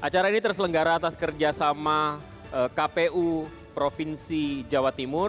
acara ini terselenggara atas kerjasama kpu provinsi jawa timur